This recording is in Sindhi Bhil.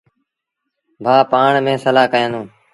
ڀآن پآڻ ميݩ سلآه ڪيآݩدوݩ۔